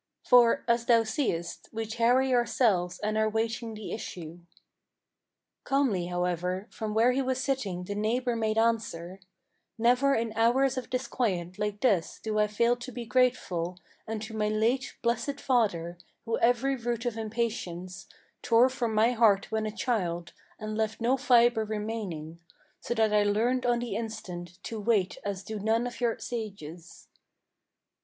"For, as thou seest, we tarry ourselves and are waiting the issue." Calmly, however, from where he was sitting the neighbor made answer: "Never in hours of disquiet like this do I fail to be grateful Unto my late, blessed father, who every root of impatience Tore from my heart when a child, and left no fibre remaining; So that I learned on the instant to wait as do none of your sages."